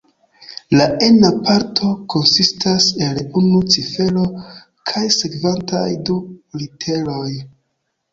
La ena parto konsistas el unu cifero kaj sekvantaj du literoj.